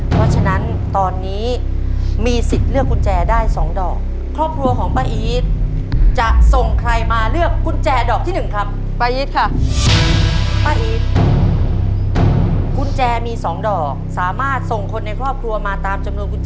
เพราะฉะนั้นคลอบครัวของพระอิจนะครับสมุทรปราการ